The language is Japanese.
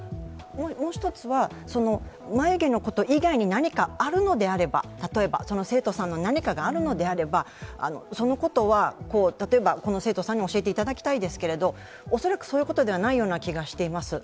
もう１つは、眉毛のこと以外に何かあるのであれば、例えば生徒さんの何かがあるのであれば、そのことは例えばこの生徒さんに教えていただきたいですけど恐らくそういうことではないような気がしています。